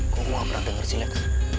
kok gua pernah denger si lex